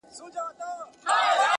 په هر قتل هر آفت کي به دى ياد وو!.